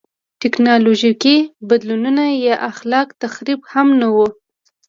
ټکنالوژیکي بدلونونه یا خلاق تخریب هم نه و.